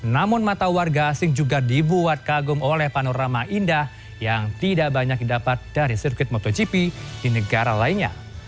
namun mata warga asing juga dibuat kagum oleh panorama indah yang tidak banyak didapat dari sirkuit motogp di negara lainnya